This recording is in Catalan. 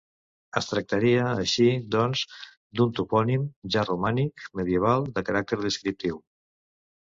Es tractaria, així, doncs, d'un topònim ja romànic, medieval, de caràcter descriptiu.